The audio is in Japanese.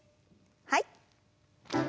はい。